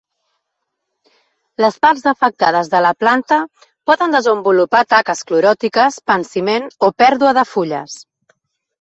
Les parts afectades de la planta poden desenvolupar taques cloròtiques, pansiment o pèrdua de fulles.